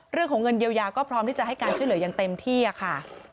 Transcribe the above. เรื่องของเงินเยียวยาก็พร้อมที่จะให้การช่วยเหลืออย่างเต็มที่ค่ะ